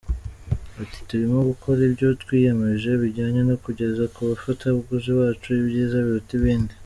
Ati "Turimo gukora ibyo twiyemeje bijyanye no kugeza kubafatabuguzi bacu ibyiza biruta ibindi“.